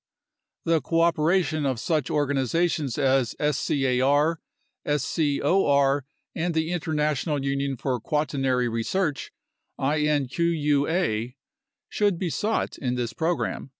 The cooperation of such organizations as scar, scor, and the International Union for Quaternary Research (inqua) should be sought in this program.